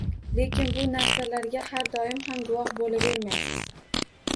Lekin bu narsalarga har doim ham guvoh boʻlavermaysiz.